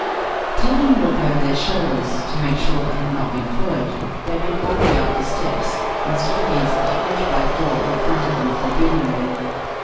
Taking a look over their shoulders to make sure they had not been followed, they went boldly up the steps and stood against the huge black door that fronted them forbiddingly.